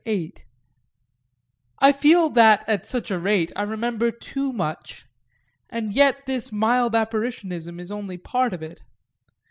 VIII I feel that at such a rate I remember too much, and yet this mild apparitionism is only part of it.